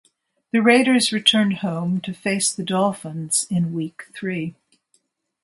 The Raiders returned home to face the Dolphins in Week Three.